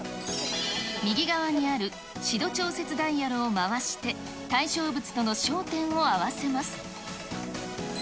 右側にある視度調節ダイヤルを回して対象物との焦点を合わせます。